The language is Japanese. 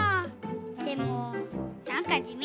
でもなんかじみ。